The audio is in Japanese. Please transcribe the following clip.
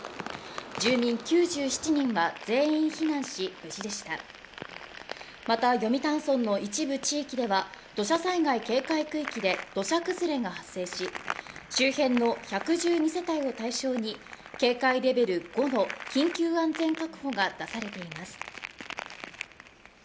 住民９７人は全員避難し、無事でしたまた、読谷村の一部地域では土砂災害警戒区域で土砂崩れが発生し、周辺の１１２世帯を対象に警戒レベル５の緊急安全確保が出されています。